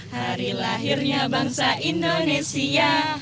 hari lahirnya bangsa indonesia